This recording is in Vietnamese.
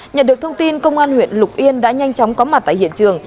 nhận được thông tin công an huyện lục yên đã nhanh chóng có mặt tại hiện trường